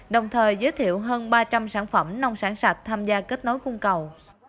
đồng thời giới thiệu hơn ba trăm linh sản phẩm nông sản sạch tham gia kết nối cung cầu